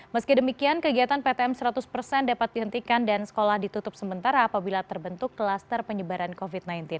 meski demikian kegiatan ptm seratus persen dapat dihentikan dan sekolah ditutup sementara apabila terbentuk klaster penyebaran covid sembilan belas